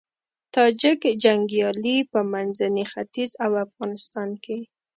تاجیک جنګيالي په منځني ختيځ او افغانستان کې